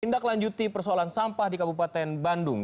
tindak lanjuti persoalan sampah di kabupaten bandung